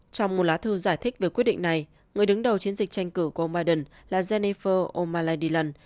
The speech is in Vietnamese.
trong một lá thư giải thích về quyết định này người đứng đầu chiến dịch tranh cử của ông biden là jennifer o malady lund